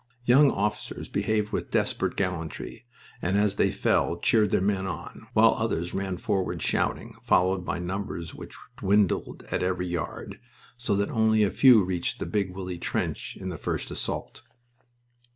Young officers behaved with desperate gallantry, and as they fell cheered their men on, while others ran forward shouting, followed by numbers which dwindled at every yard, so that only a few reached the Big Willie trench in the first assault.